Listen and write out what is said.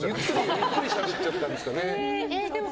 ゆっくりしゃべっちゃったんですかね。